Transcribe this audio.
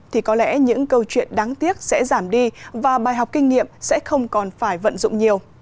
thì có lẽ những câu chuyện đáng tiếc sẽ giảm đi và bài học kinh nghiệm sẽ không còn phải vận dụng nhiều